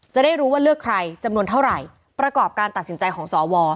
จะได้รู้ว่าเลือกใครจำนวนเท่าไหร่ประกอบการตัดสินใจของสว